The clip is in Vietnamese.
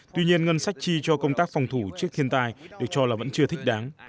tuy nhiên ngân sách chi cho công tác phòng thủ trước thiên tai được cho là vẫn chưa thích đáng